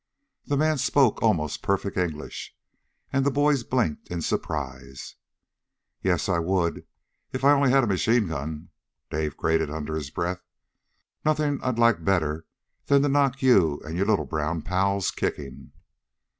The man spoke almost perfect English, and both boys blinked in surprise. "Yes, I would, if I only had a machine gun!" Dave grated under his breath. "Nothing I'd like better than to knock you and your little brown pals kicking."